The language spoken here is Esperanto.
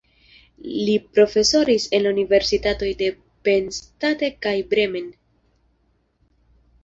Li profesoris en la universitatoj de Penn State kaj Bremen.